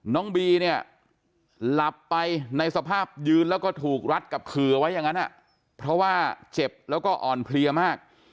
น้องบีเนี่ยหลับไปในสภาพยืนแล้วก็ถูกรัดกับขื่อไว้อย่างนั้นเพราะว่าเจ็บแล้วก็อ่อนเพลียมาก